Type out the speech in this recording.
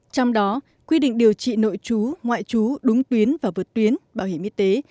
trong đó quy định điều trị nội chú ngoại chú đúng tuyến và vượt tuyến bảo hiểm y tế